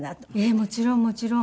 もちろんもちろん。